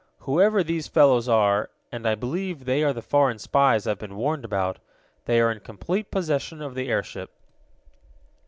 Whoever these fellows are, and I believe they are the foreign spies I've been warned about, they are in complete possession of the airship."